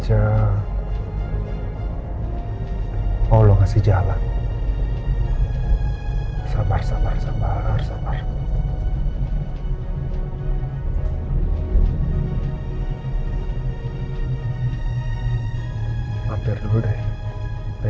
tapi di satu sisi riana juga riana sepertinya belum bisa membuka hati